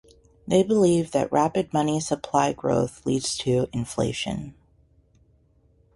They believe that rapid money supply growth leads to inflation.